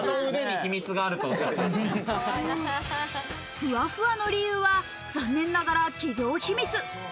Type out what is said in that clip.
ふわふわの理由は残念ながら企業秘密。